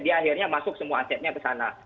dia akhirnya masuk semua asetnya ke sana